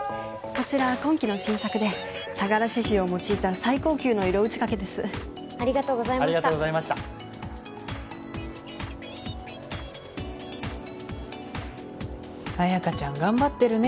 こちら今期の新作で相良刺繍を用いた最高級の色打ち掛けですありがとうございましたありがとうございました綾華ちゃん頑張ってるね